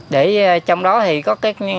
để trong đó thì có